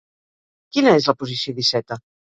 Quina és la posició d'Iceta?